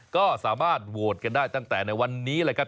ก็สามารถโหวตกันได้ตั้งแต่ในวันนี้แหละครับ